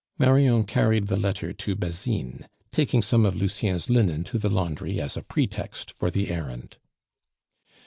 Marion carried the letter to Basine, taking some of Lucien's linen to the laundry as a pretext for the errand.